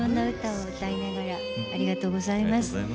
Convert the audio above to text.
ありがとうございます。